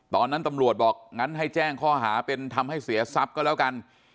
ตอนนั้นตำรวจบอกงั้นให้แจ้งข้อหาเป็นทำให้เสียทรัพย์ก็แล้วกัน